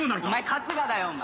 春日だよお前！